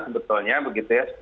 sebetulnya begitu ya